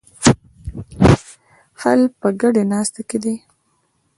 حل په ګډې ناستې کې دی.